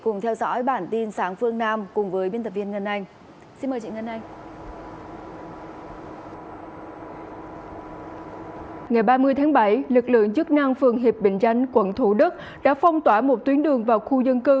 ngày ba mươi tháng bảy lực lượng chức năng phường hiệp bình dân quận thủ đức đã phong tỏa một tuyến đường vào khu dân cư